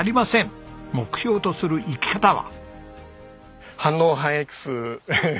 目標とする生き方は。